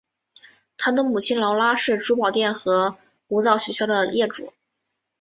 她的母亲劳拉是珠宝店和舞蹈学校的业主。